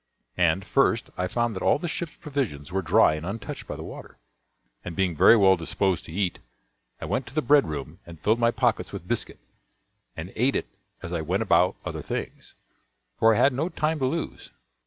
And, first, I found that all the ship's provisions were dry and untouched by the water, and, being very well disposed to eat, I went to the bread room and filled my pockets with biscuit, and ate it as I went about other things, for I had no time to lose.